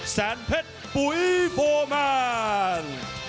แสนเพชรปุ๋ยโฟร์แมน